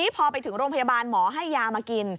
พอไปถึงโรงพยาบาลหมอให้ยามากิน